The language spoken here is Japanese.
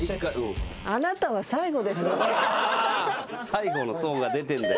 最後の相が出てんだよ。